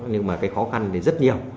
nhưng mà cái khó khăn thì rất nhiều